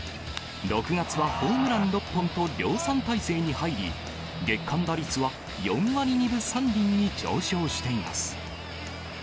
６月はホームラン６本と量産体制に入り、月間打率は４割２分３厘に上昇しています。